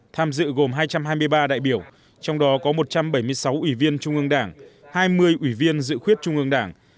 tham dự gồm hai trăm hai mươi ba đại biểu trong đó có một trăm bảy mươi sáu ủy viên trung ương đảng hai mươi ủy viên dự khuyết trung ương đảng